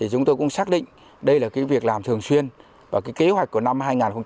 chúng tôi cũng xác định đây là cái việc làm thường xuyên và cái kế hoạch của năm hai nghìn hai mươi một